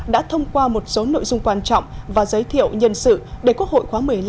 đã thông qua một số nội dung quan trọng và giới thiệu nhân sự để quốc hội khóa một mươi năm